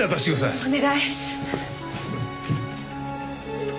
お願い！